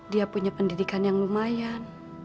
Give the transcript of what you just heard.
dia punya pendidikan yang lumayan